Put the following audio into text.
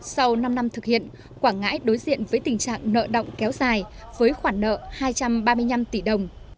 sau năm năm thực hiện quảng ngãi đối diện với tình trạng nợ động kéo dài với khoản nợ hai trăm ba mươi năm tỷ đồng